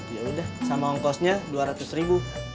yaudah sama ongkosnya dua ratus ribu